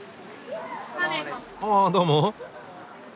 あどうも。